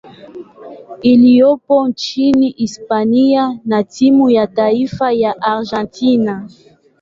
iliyopo nchini Hispania na timu ya taifa ya Argentina.